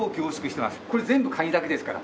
これ全部カニだけですから。